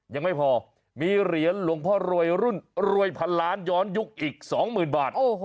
ยังไม่พอมีเหรียญหลวงพ่อรวยรุ่นรวยพันล้านย้อนยุคอีก๒๐๐๐บาท